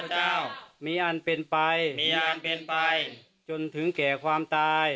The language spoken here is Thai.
จ้ามิอานเป็นไปจนถึงแก่ความตายจนถึงแก่ความตาย